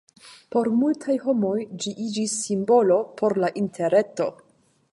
Por multaj homoj ĝi iĝis simbolo por la Interreto.